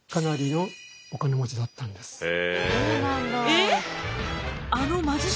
えっ！